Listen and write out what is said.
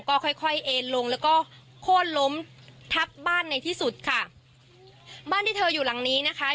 ก็ค่อยค่อยเอ็นลงแล้วก็โค้นล้มทับบ้านในที่สุดค่ะบ้านที่เธออยู่หลังนี้นะคะ